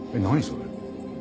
それ。